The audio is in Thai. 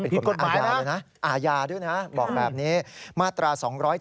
ผิดกฎหมายนะครับอาญาด้วยนะบอกแบบนี้มาตรา๒๗๑